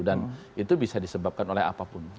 dan itu bisa disebabkan oleh apapun